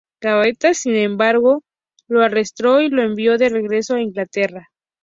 Gambetta, sin embargo, lo arrestó y lo envió de regreso a Inglaterra.